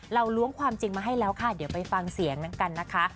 ล้วงความจริงมาให้แล้วค่ะเดี๋ยวไปฟังเสียงนั้นกันนะคะ